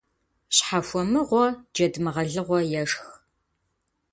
Щхьэхуэмыгъуэ джэд мыгъэлыгъуэ ешх.